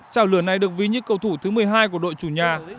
trào lửa này được ví như cầu thủ thứ một mươi hai của đội chủ nhà